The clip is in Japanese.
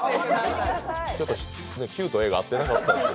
ちょっとＱと絵が合ってなかった。